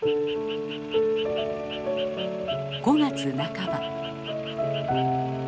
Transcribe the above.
５月半ば。